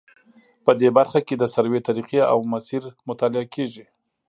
په دې برخه کې د سروې طریقې او مسیر مطالعه کیږي